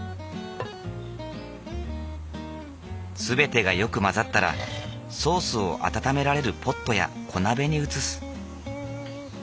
全てがよく混ざったらソースを温められるポットや小鍋に移す。